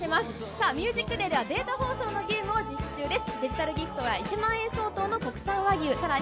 さあ、ＴＨＥＭＵＳＩＣＤＡＹではデータ放送のゲームを実施中です。